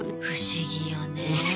不思議よね。